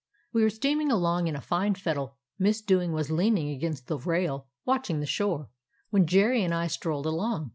We were steaming along in fine fettle. Miss Dewing was leaning against the rail, watching the shore, when Jerry and I strolled along.